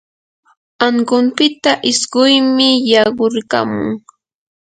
ankunpita isquymi yarquykamun.